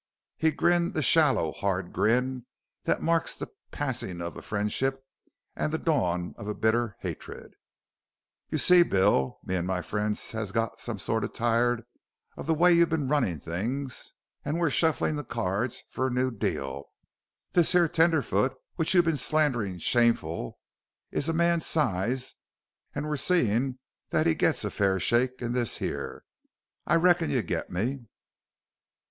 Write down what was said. He grinned the shallow, hard grin that marks the passing of a friendship and the dawn of a bitter hatred. "You see, Bill, me an' my friends has got sorta tired of the way you've been runnin' things an' we're shufflin' the cards for a new deal. This here tenderfoot which you've been a slanderin' shameful is man's size an' we're seein' that he gits a fair shake in this here. I reckon you git me?"